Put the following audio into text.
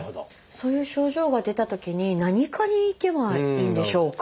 そういう症状が出たときに何科に行けばいいんでしょうか？